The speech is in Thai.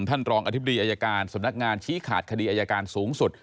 ท่านรองอธิบดีอายการสำนักงานชี้ขาดคดีอายการสูงสุด